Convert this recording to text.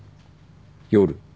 「夜」